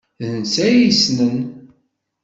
D netta ay yessnen.